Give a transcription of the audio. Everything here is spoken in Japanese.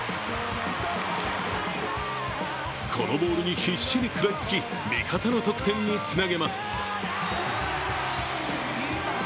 このボールに必死に食らいつき味方の得点につなげます。